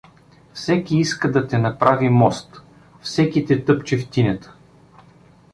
Всеки иска да те направи мост, всеки те тъпчи в тинята.